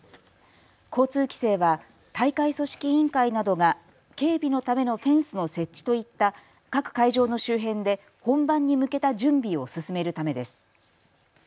交通規制は大会組織委員会などが警備のためのフェンスの設置といった各会場の周辺で本番に向けた準備を進めるためです。